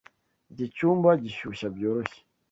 Iki cyumba gishyuha byoroshye.